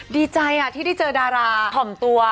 ดีใจที่ได้เจอดาราถ่อมตัว